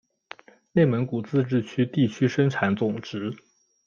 内蒙古自治区地区生产总值